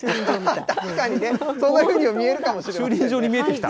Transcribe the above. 確かにね、そんなふうにも見えるかもしれない。